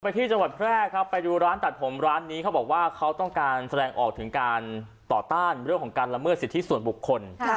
ที่จังหวัดแพร่ครับไปดูร้านตัดผมร้านนี้เขาบอกว่าเขาต้องการแสดงออกถึงการต่อต้านเรื่องของการละเมิดสิทธิส่วนบุคคล